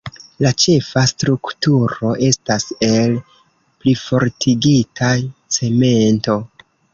La ĉefa strukturo estas el plifortigita cemento.